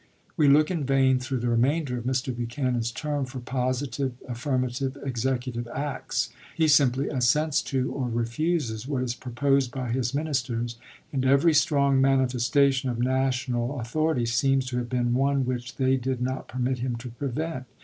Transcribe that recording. We look in vain through the remainder of Mr. Buchanan's term for positive affirmative Executive acts. He simply assents to or refuses what is proposed by his min isters, and every strong manifestation of national authority seems to have been one which they did not permit him to prevent.